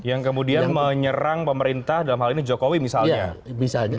yang kemudian menyerang pemerintah dalam hal ini jokowi misalnya